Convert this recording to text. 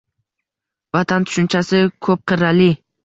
Vatan tushunchasi ko‘pqirrali